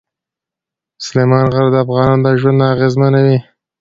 سلیمان غر د افغانانو ژوند اغېزمنوي.